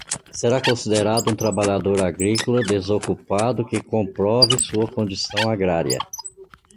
Será considerado um trabalhador agrícola desocupado que comprove sua condição agrária.